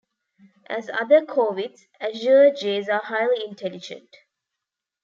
As other corvids, azure jays are highly intelligent.